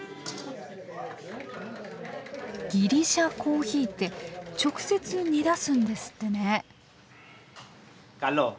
ギリシャコーヒーって直接煮出すんですってね。